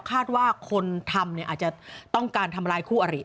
คาดว่าคนทำอาจจะต้องการทำร้ายคู่อริ